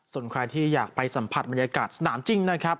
ส่วนใครที่อยากไปสัมผัสบรรยากาศสนามจริงนะครับ